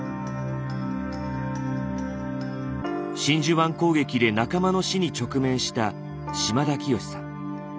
真珠湾攻撃で仲間の死に直面した島田清守さん。